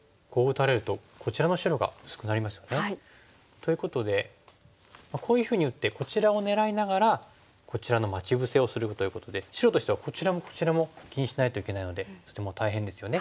ということでこういうふうに打ってこちらを狙いながらこちらの待ち伏せをするということで白としてはこちらもこちらも気にしないといけないのでとても大変ですよね。